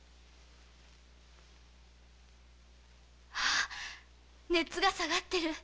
あ熱が下がってるわ。